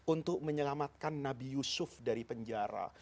untuk menyelamatkan nabi yusuf dari penjara